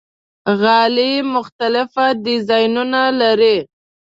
غالۍ مختلف ډیزاینونه لري.